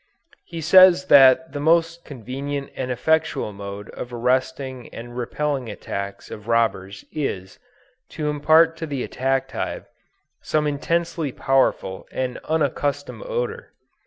He says that the most convenient and effectual mode of arresting and repelling the attacks of robbers, is, to impart to the attacked hive some intensely powerful and unaccustomed odor.